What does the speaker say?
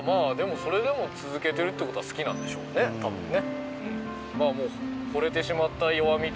それでも続けてるってことは好きなんでしょうね多分ね。